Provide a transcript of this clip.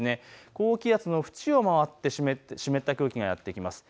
高気圧の縁を回って湿った空気がやって来ます。